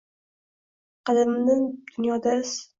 Qadamidan dunyoda iz.